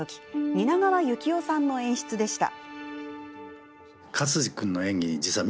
蜷川幸雄さんの演出でした。